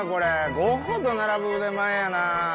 ゴッホと並ぶ腕前やな。